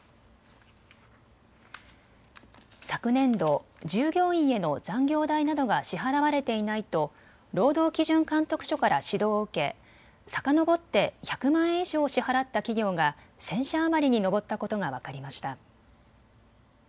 昨年度、従業員への残業代などが支払われていないと労働基準監督署から指導を受けさかのぼって１００万円以上支払った企業が１０００社余りに上ったことが分かりました。